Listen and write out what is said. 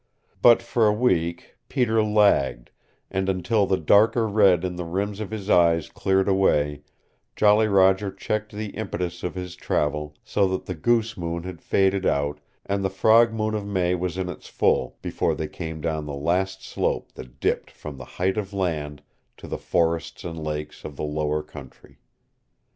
But for a week Peter lagged and until the darker red in the rims of his eyes cleared away Jolly Roger checked the impetus of his travel so that the goose moon had faded out and the "frog moon" of May was in its full before they came down the last slope that dipped from the Height of Land to the forests and lakes of the lower country.